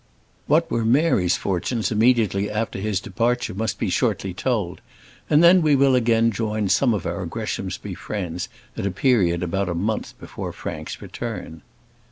What were Mary's fortunes immediately after his departure must be shortly told, and then we will again join some of our Greshamsbury friends at a period about a month before Frank's return.